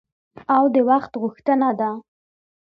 او د وخت غوښتنه ده.